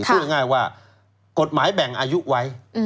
พูดง่ายว่ากฎหมายแบ่งอายุไว้